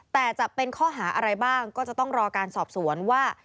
แต่จะเป็นข้อหาอะไรบ้างก็จะต้องรอการสอบสวนว่า